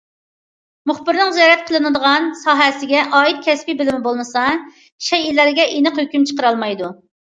مۇخبىرنىڭ زىيارەت قىلىنىدىغان ساھەسىگە ئائىت كەسپىي بىلىمى بولمىسا، شەيئىلەرگە ئېنىق ھۆكۈم چىقىرالمايدۇ.